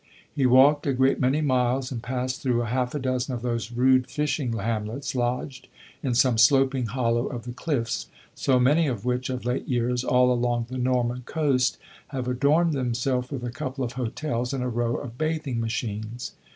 He walked a great many miles and passed through half a dozen of those rude fishing hamlets, lodged in some sloping hollow of the cliffs, so many of which, of late years, all along the Norman coast, have adorned themselves with a couple of hotels and a row of bathing machines.